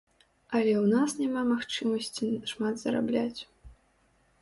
Але ў нас няма магчымасці шмат зарабляць.